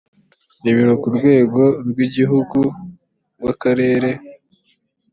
ibiro ku rwego rw’igihugu rw’akarere